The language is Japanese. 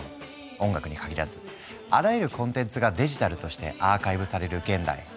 音楽に限らずあらゆるコンテンツがデジタルとしてアーカイブされる現代